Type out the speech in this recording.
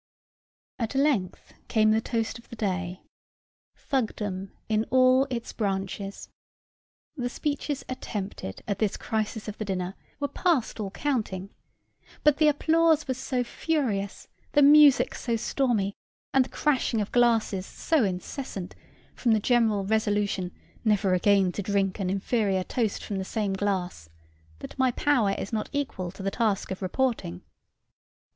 At length came the toast of the day Thugdom in all its branches. The speeches attempted at this crisis of the dinner were past all counting. But the applause was so furious, the music so stormy, and the crashing of glasses so incessant, from the general resolution never again to drink an inferior toast from the same glass, that my power is not equal to the task of reporting.